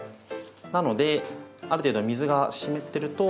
なのである程度水が湿ってると。